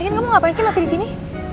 lagi kamu ngapain sih masih disini